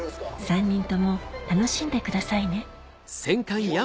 ３人とも楽しんでくださいねうわうわ。